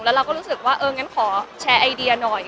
แล้วเราก็รู้สึกว่าเอองั้นขอแชร์ไอเดียหน่อย